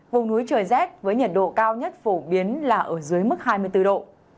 vùng núi trời rét với nhiệt độ cao nhất phổ biến là ở dưới mức hai mươi bốn độ